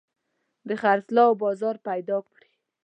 د خرڅلاو بازار پيدا کړي.